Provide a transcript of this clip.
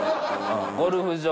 ゴルフ場。